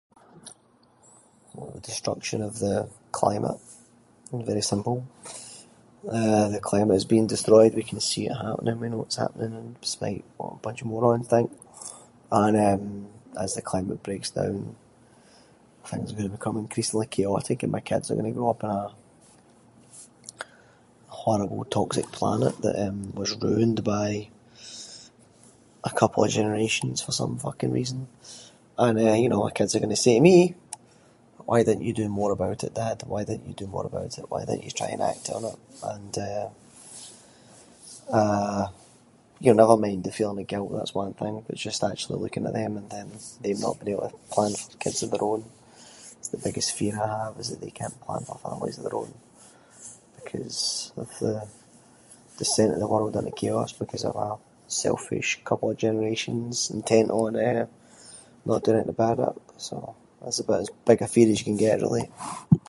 Destruction of the climate, very simple. Eh the climate is being destroyed, we can see it happening, we know it’s happening, and despite what a bunch of morons think. And, eh, as the climate breaks down, things are going to become increasingly chaotic and my kids are going to grow up in a horrible toxic planet that, eh, was ruined by a couple of generations for some fucking reason. And eh you know, my kids are going to say to me, “why didn’t you do more about it dad? why didn’t you do more about it? Why didn’t you try and act on it?”, and eh, you know, never mind the feeling of guilt, that’s one thing, but it's just actually looking at them and them not being able to plan for kids of their own. That’s the biggest fear I have is that they can’t plan for families of their own, ‘cause of the descent of the world into chaos because of a selfish couple of generations intent on, eh, not doing anything about it. So that’s about as big a fear as you can get really.